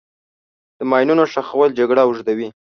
د ماینونو ښخول جګړه اوږدوي.